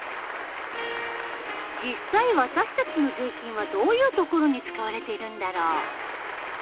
実際私たちの税金はどういうところに使われているんだろう？